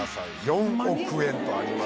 ４億円とありますが。